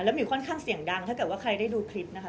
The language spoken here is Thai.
แล้วมิวค่อนข้างเสียงดังถ้าใครได้ดูคลิปนะคะ